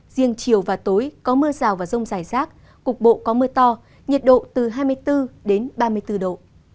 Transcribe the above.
riêng chiều và tối có mưa rào và rông rải rác cục bộ có mưa to nhiệt độ từ hai mươi bốn đến ba mươi bốn độ